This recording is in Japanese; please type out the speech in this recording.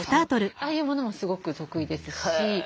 ああいうものもすごく得意ですし。